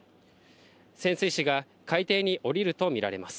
潜水士が海底に降りると見られます。